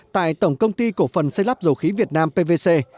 tại tổng công ty cổ phần xây lắp dầu khí việt nam pvc